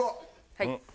はい。